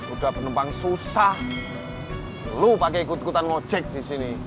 udah penumpang susah lo pakai kut kutan ngojek di sini